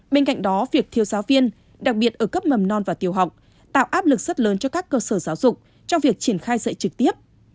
bên cạnh đó việc thiếu giáo viên đặc biệt ở cấp mầm non và tiểu học tạo áp lực rất lớn cho các cơ sở giáo dục trong việc triển khai dạy trực tiếp